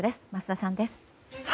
桝田さんです。